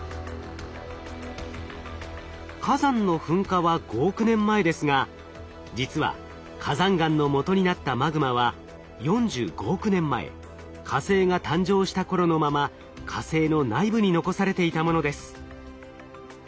火山の噴火は５億年前ですが実は火山岩のもとになったマグマは４５億年前火星が誕生した頃のまま火星の内部に残されていたものです。